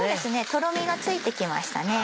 とろみがついてきましたね。